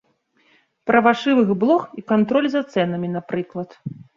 Пра вашывых блох і кантроль за цэнамі, напрыклад.